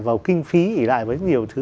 vào kinh phí ỉ lại với nhiều thứ